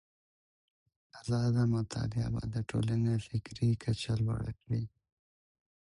ازاده مطالعه به د ټولني فکري کچه لوړه کړي.